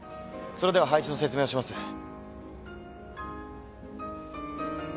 それでは配置の説明をします。